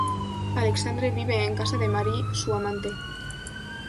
Alexandre vive en casa de Marie, su amante.